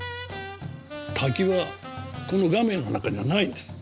滝はこの画面の中にはないんです。